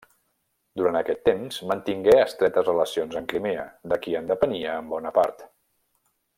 Durant aquest temps mantingué estretes relacions amb Crimea, de qui en depenia en bona part.